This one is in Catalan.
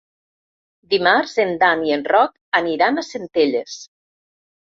Dimarts en Dan i en Roc aniran a Centelles.